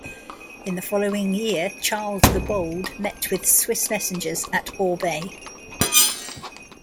In the following year, Charles the Bold met with Swiss messengers at Orbe.